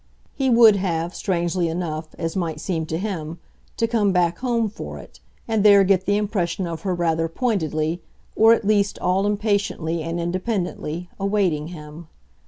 He would have, strangely enough, as might seem to him, to come back home for it, and there get the impression of her rather pointedly, or at least all impatiently and independently, awaiting him.